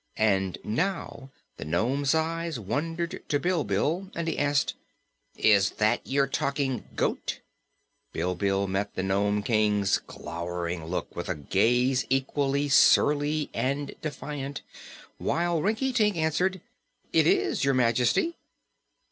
And now the nome's eyes wandered to Bilbil, and he asked: "Is that your talking goat?" Bilbil met the Nome King's glowering look with a gaze equally surly and defiant, while Rinkitink answered: "It is, Your Majesty."